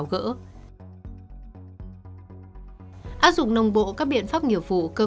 cảm ơn các bạn đã theo dõi